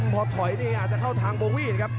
พอถอยเฉยเงินก็เหาะทางภวีนะครับ